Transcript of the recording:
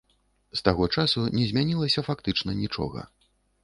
З таго часу не змянілася фактычна нічога.